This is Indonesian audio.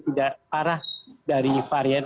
tidak parah dari varian